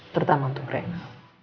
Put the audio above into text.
terutama untuk rena